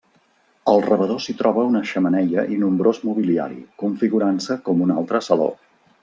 Al rebedor s'hi troba una xemeneia i nombrós mobiliari, configurant-se com un altre saló.